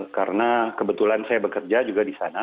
karena kebetulan saya bekerja juga di sana